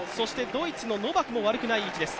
ドイツのノバクも悪くない位置です。